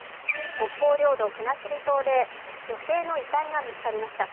北方領土・国後島で女性の遺体が見つかりました。